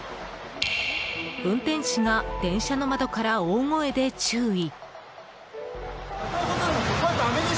運転士が電車の窓から大声で注意。